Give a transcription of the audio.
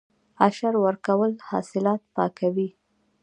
عشر ورکول حاصلات پاکوي.